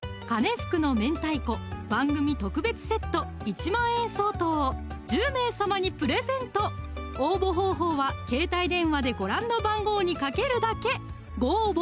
ふくの明太子番組特別セット１万円相当を１０名様にプレゼント応募方法は携帯電話でご覧の番号にかけるだけご応募